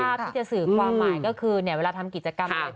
ที่จะสื่อความหมายก็คือเนี่ยเวลาทำกิจกรรม